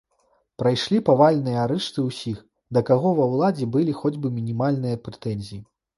Прайшлі павальныя арышты ўсіх, да каго ва ўладзе былі хоць бы мінімальныя прэтэнзіі.